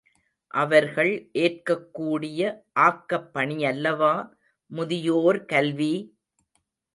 அவர்கள் ஏற்கக் கூடிய ஆக்கப்பணியல்லவா முதியோர் கல்வி!